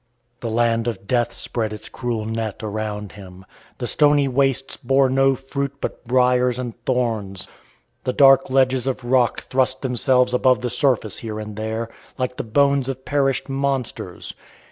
The land of death spread its cruel net around him. The stony wastes bore no fruit but briers and thorns. The dark ledges of rock thrust themselves above the surface here and there, like the bones of perished monsters.